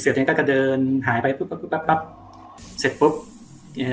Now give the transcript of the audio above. เสือตัวเนี้ยก็กระเดินหายไปปุ๊บปุ๊บปุ๊บปุ๊บเสร็จปุ๊บเนี้ย